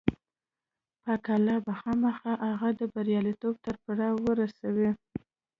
پاک الله به خامخا هغه د برياليتوب تر پړاوه رسوي.